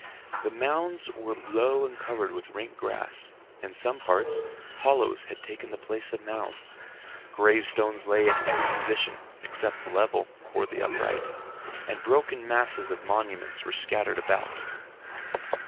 The mounds were low and covered with rank grass. In some parts, hollows had taken the place of mounds. Gravestones lay in every position except the level or the upright, and broken masses of monuments were scattered about.